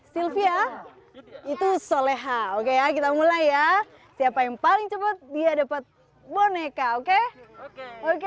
sylvia itu soleha oke kita mulai ya siapa yang paling cepet dia dapat boneka oke oke satu dua tiga